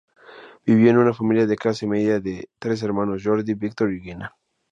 Vivió en una familia de clase media de tres hermanos: Jordi, Víctor y Gina.